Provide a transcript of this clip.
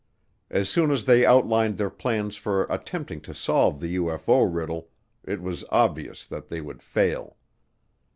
As soon as they outlined their plans for attempting to solve the UFO riddle, it was obvious that they would fail.